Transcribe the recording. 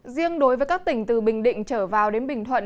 riêng đối với các tỉnh từ bình định trở vào đến bình thuận